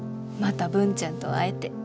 また文ちゃんと会えて。